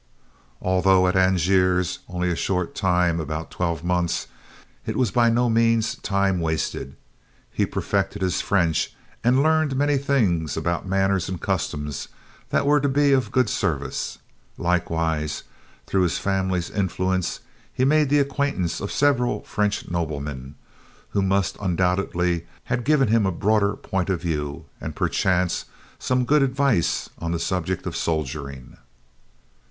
Although at Angers only a short time, about twelve months, it was by no means time wasted. He perfected his French and learned many things about manners and customs that were to be of good service. Likewise, through his family's influence, he made the acquaintance of several French noblemen, who must undoubtedly have given him a broader point of view, and perchance some good advice on the subject of soldiering.